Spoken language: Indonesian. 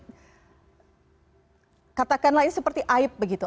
jadi katakanlah ini seperti aib begitu